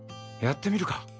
やってみるか？